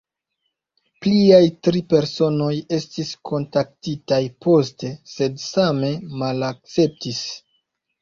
Pliaj tri personoj estis kontaktitaj poste, sed same malakceptis.